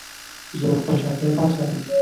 زه خپل چاپېریال پاک ساتم.